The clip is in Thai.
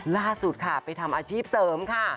ล่าสุดค่ะไปทำอาชีพเสริมค่ะ